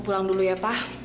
pulang dulu ya pak